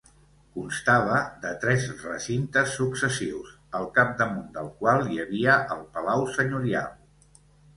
Constava de tres recintes successius, al capdamunt del qual hi havia el palau senyorial.